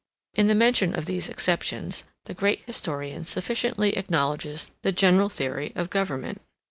41 In the mention of these exceptions, the great historian sufficiently acknowledges the general theory of government.